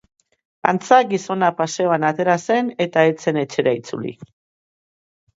Antza, gizona paseoan atera zen, eta ez zen etxera itzuli.